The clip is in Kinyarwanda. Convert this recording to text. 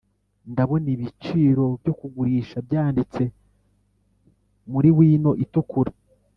ndabona ibiciro byo kugurisha byanditse muri wino itukura.